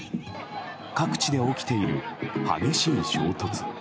各地で起きている激しい衝突。